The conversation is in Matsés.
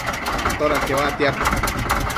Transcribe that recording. atoda queuatiad?